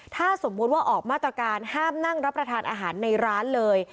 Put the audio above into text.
ถ้าสมมุติว่าออกมาตรการห้ามนั่งรับประทานอาหารในร้านเลย